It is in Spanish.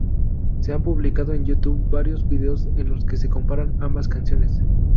Se han publicado en YouTube varios videos en los que se comparan ambas canciones.